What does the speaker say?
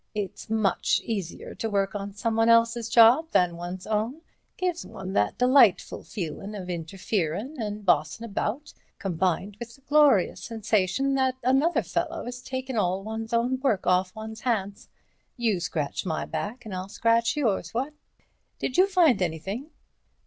It's much easier to work on someone else's job than one's own—gives one that delightful feelin' of interferin' and bossin' about, combined with the glorious sensation that another fellow is takin' all one's own work off one's hands. You scratch my back and I'll scratch yours, what? Did you find anything?"